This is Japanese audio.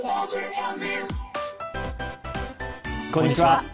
こんにちは。